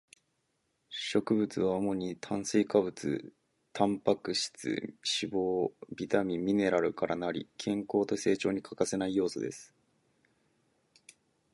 食物は主に炭水化物、タンパク質、脂肪、ビタミン、ミネラルから成り、健康と成長に欠かせない要素です